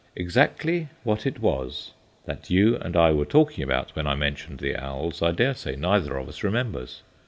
Exactly what it was that you and I were talking about when I mentioned the owls, I dare say neither of us remembers.